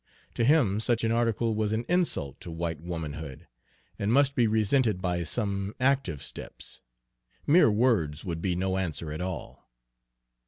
To him such an article was an insult to white womanhood, and must be resented by some active steps, mere words would be no answer at all.